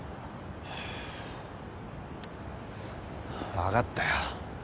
わかったよ。